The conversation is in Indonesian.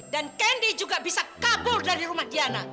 dan candy juga bisa kabur dari rumah diana